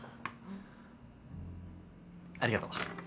ありがとう。